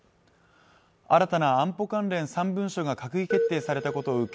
新たな安保関連３文書が閣議決定されたことを受け